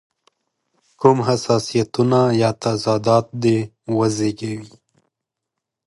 کوم حساسیتونه یا تضادات دې وزېږوي.